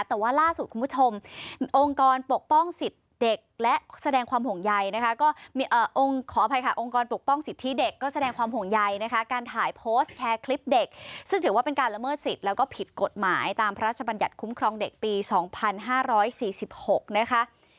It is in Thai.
แต่ว่าล่าสุดคุณผู้ชมองค์กรปกป้องสิทธิเด็กก็แสดงความห่วงใยนะคะการถ่ายโพสต์แชร์คลิปเด็กซึ่งถือว่าเป็นการละเมิดสิทธิ์แล้วก็ผิดกฎหมายตามพระราชบัญญัติคุ้มครองเด็กปี๒๕๔๖นะคะ